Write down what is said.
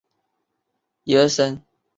正德十一年五月卒。